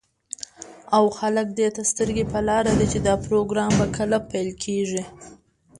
او خلك دېته سترگې په لار دي، چې دا پروگرام به كله پيل كېږي.